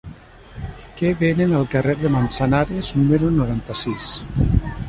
Què venen al carrer de Manzanares número noranta-sis?